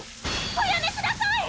おやめください！